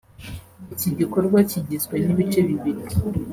Iki gikorwa kigizwe n’ibice bibiri